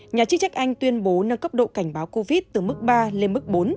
nhà chức trách anh tuyên bố nâng cấp độ cảnh báo covid từ mức ba lên mức bốn